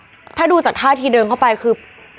คุณต้องบอกก่อนว่าถ้าดูจากท่าทีเดินเข้าไปคือ